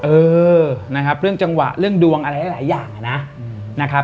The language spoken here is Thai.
เออเรื่องจังหวะเรื่องดวงอะไรหลายอย่างนะ